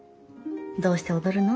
「どうして踊るの？」